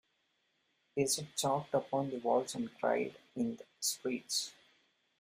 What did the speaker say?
Is it chalked upon the walls and cried in the streets?